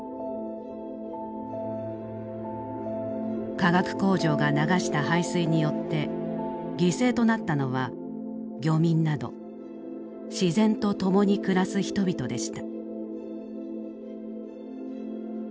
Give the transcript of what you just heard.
化学工場が流した排水によって犠牲となったのは漁民など自然と共に暮らす人々でした。